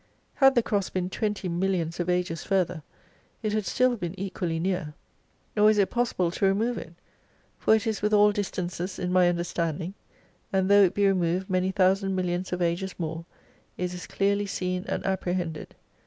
Had the Cross been twenty millions of ages further, it had still been equally near, nor is it possible 70 to remove it, for it is vrith all distances in my under standing, and though it be removed many thousand millions of ages more is as dearly seen and appre hended.